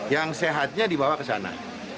yang sehatnya dibawa ke sana